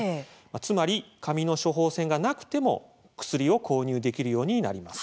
つまり、紙の処方箋がなくても薬を購入できるようになります。